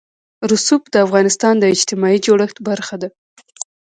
رسوب د افغانستان د اجتماعي جوړښت برخه ده.